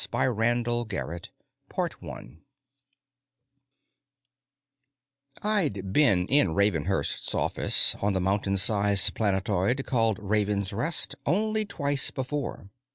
By RANDALL GARRETT I'd been in Ravenhurst's office on the mountain sized planetoid called Raven's Rest only twice before.